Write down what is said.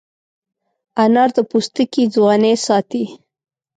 انار د پوستکي ځوانۍ ساتي.